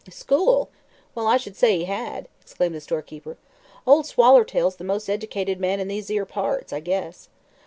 "School? Well, I should say he had!" exclaimed the storekeeper. "Ol' Swallertail's the most eddicated man in these 'ere parts, I guess.